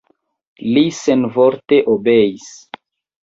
Li senvorte obeis.